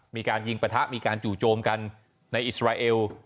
มีการยิงปะทะมีการจู่โจมกันในอิสราเอล